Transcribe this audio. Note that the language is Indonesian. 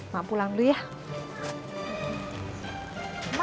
mak pulang dulu ya